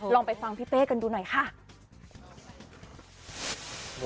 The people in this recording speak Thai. ลองไปฟังพี่เป้กันดูหน่อยค่ะ